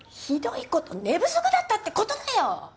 ひどいこと寝不足だったってことだよ！